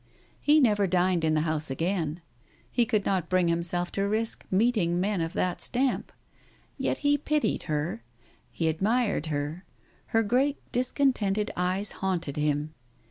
He never dined in the house again. He could not bring himself to risk meeting men of that stamp. Yet he pitied her. He admired her. Her great dis contented eyes haunted him.